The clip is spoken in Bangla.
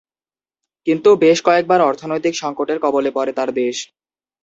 কিন্তু বেশ কয়েকবার অর্থনৈতিক সঙ্কটের কবলে পড়ে তাঁর দেশ।